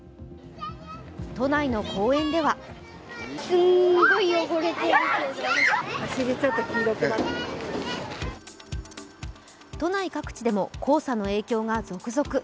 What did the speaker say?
都内の公園では都内各地でも黄砂の影響が続々。